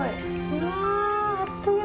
うわあっという間。